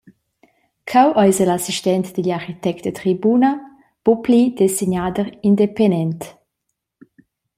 Cheu eis el assistent digl architect da tribuna, buc pli dessignader indepenent.